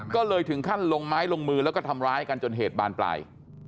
ก็เลยถึงขั้นลงไม้ลงมือแล้วก็ทำร้ายกันจนเหตุบานปลาย